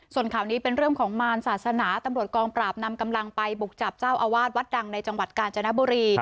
ส่วนข่าวนี้เป็นเรื่องของมารศาสนาตำรวจกองปราบนำกำลังไปบุกจับเจ้าอาวาสวัดดังในจังหวัดกาญจนบุรี